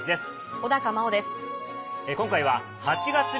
小茉緒です。